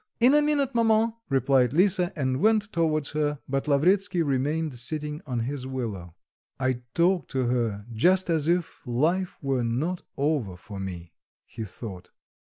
"In a minute, maman," replied Lisa, and went towards her, but Lavretsky remained sitting on his willow. "I talk to her just as if life were not over for me," he thought.